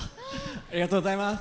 ありがとうございます。